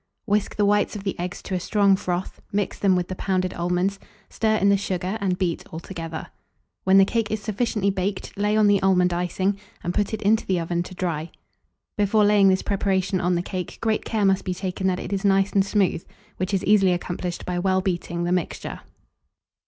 Whisk the whites of the eggs to a strong froth; mix them with the pounded almonds, stir in the sugar, and beat altogether. When the cake is sufficiently baked, lay on the almond icing, and put it into the oven to dry. Before laying this preparation on the cake, great care must be taken that it is nice and smooth, which is easily accomplished by well beating the mixture.